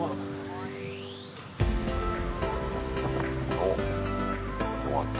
おっ終わった？